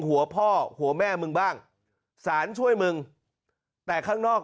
หัวพ่อหัวแม่มึงบ้างสารช่วยมึงแต่ข้างนอก